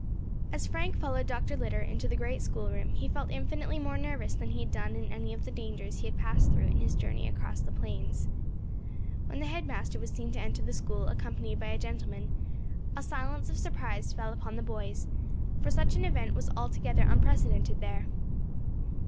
As Frank followed Dr. Litter into the great schoolroom he felt infinitely more nervous than he had done in any of the dangers he had passed through in his journey across the plains. When the head master was seen to enter the School accompanied by a gentleman, a silence of surprise fell upon the boys, for such an event was altogether unprecedented there.